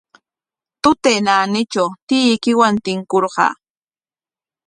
Tutay naanitraw tiyuykiwan tinkurqaa.